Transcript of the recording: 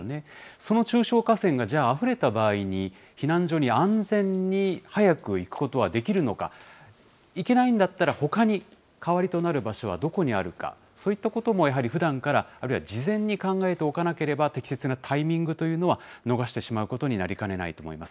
その中小河川が、じゃあ、あふれた場合に、避難所に安全に早く行くことはできるのか、行けないんだったらほかに代わりとなる場所はどこにあるのか、そういったこともやはりふだんから、あるいは事前に考えておかなければ、適切なタイミングというのは逃してしまうことになりかねないと思います。